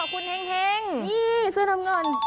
อ๋อคุณแห่งนี่เสื้อน้ำเงิน